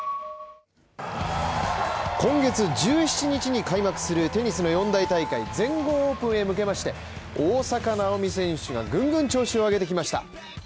今月１７日に開幕するテニスの４大大会、全豪オープンへ向けまして、大坂なおみ選手がぐんぐん調子を上げてきました。